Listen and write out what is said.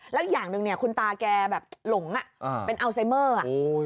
แล้วอย่างหนึ่งเนี่ยคุณตาแกแบบหลงเป็นอัลไซเมอร์อ่ะ